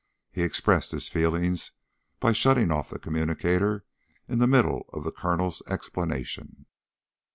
He expressed his feelings by shutting off the communicator in the middle of the Colonel's explanation.